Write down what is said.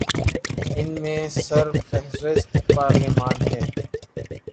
ان میں سر فہرست پارلیمان ہے۔